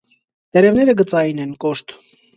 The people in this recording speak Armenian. Տերևները գծային են, կոշտ։